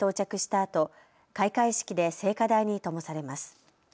あと開会式で聖火台にともされます。